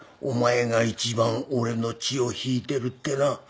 お前が一番俺の血を引いてるってな